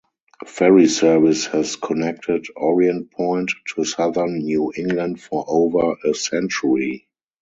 Ferry Service has connected Orient Point to southern New England for over a century.